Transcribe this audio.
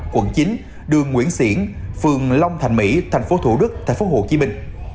số chín đường nguyễn siễn phường long thành mỹ thành phố thủ đức thành phố hồ chí minh